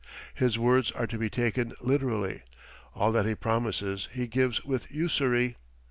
His words are to be taken literally; all that He promises He gives with usury.